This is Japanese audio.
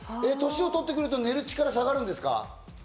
年を取ってくると、寝る力が下がりますか？